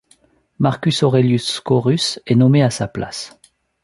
Marcus Aurelius Scaurus est nommé à sa place.